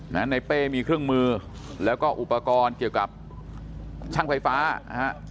ในเป้มีเครื่องมือแล้วก็อุปกรณ์เกี่ยวกับช่างไฟฟ้านะฮะ